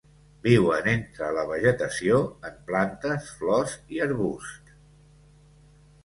Viuen entre la vegetació, en plantes, flors i arbusts.